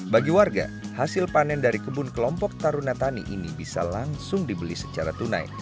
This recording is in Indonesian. bagi warga hasil panen dari kebun kelompok taruna tani ini bisa langsung dibeli secara tunai